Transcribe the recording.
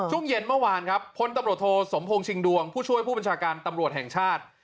ช่วงเย็นเมื่อวานครับพลตำรวจโทสมพงษ์ชิงดวงผู้ช่วยผู้บัญชาการตำรวจแห่งชาติ